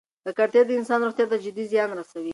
ککړتیا د انسان روغتیا ته جدي زیان رسوي.